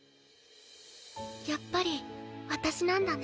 やっぱり私なんだね。